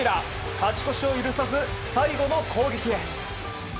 勝ち越しを許さず最後の攻撃へ。